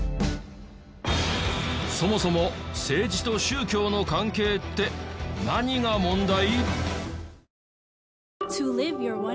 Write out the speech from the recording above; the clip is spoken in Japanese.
そもそも政治と宗教の関係って何が問題？